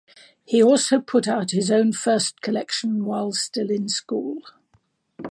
He also put out his own first collection while still in school.